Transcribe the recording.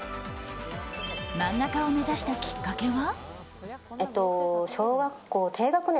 漫画家を目指したきっかけは？